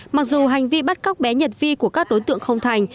mặc dù hành vi bắt cóc bé nhật vi của các đối tượng không thành